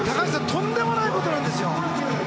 とんでもないことなんですよ！